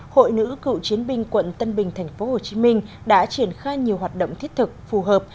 hội nữ cựu chiến binh quận tân bình tp hcm đã triển khai nhiều hoạt động thiết thực phù hợp